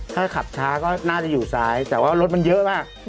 ถ้าขับช้าก็น่าจะอยู่ซ้ายแต่ว่ารถมันเยอะมาก